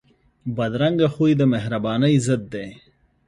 بدرنګه خوی د مهربانۍ ضد دی